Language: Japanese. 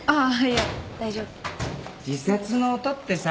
自殺の音ってさ